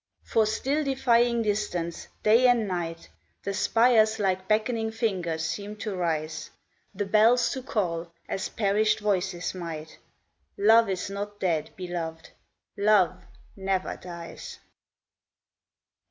CAEN 15 For still defying distance, day and night The spires like beckoning fingers seem to rise, The bells to call, as perished voices might, " Love is not dead, Beloved ; love never dies